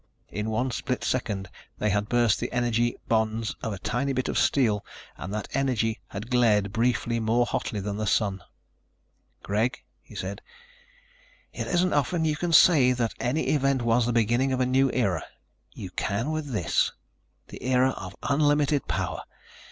In one split second they had burst the energy bonds of a tiny bit of steel and that energy had glared briefly more hotly than the Sun. "Greg," he said, "it isn't often you can say that any event was the beginning of a new era. You can with this the era of unlimited power.